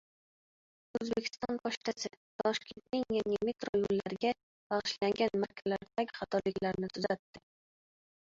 “O‘zbekiston pochtasi” Toshkentning yangi metro yo‘llariga bag‘ishlangan markalaridagi xatoliklarni tuzatdi